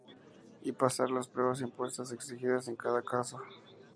Y pasar las pruebas impuestas exigidas en cada caso.